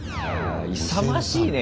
勇ましいね